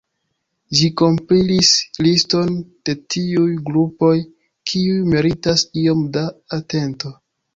Ĝi kompilis liston de tiuj grupoj, kiuj meritas iom da atento.